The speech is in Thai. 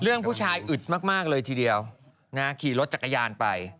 ผู้ชายอึดมากเลยทีเดียวนะขี่รถจักรยานไป